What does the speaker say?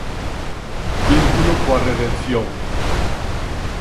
Vínculo coa Redención.